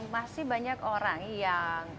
masih banyak orang yang